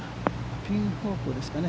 ピン方向ですかね。